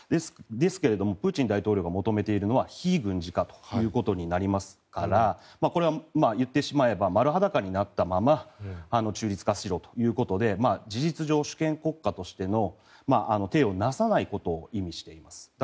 ですけれども、プーチン大統領が求めているのは非軍事化ということになりますからこれは言ってしまえば丸裸になったまま中立化しろということで事実上、主権国家としての体をなさないことを意味しています。